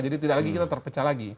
jadi tidak lagi kita terpecah lagi